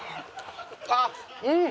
あっうん！